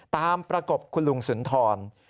ตามประกบคุณลุงสุนธรณ์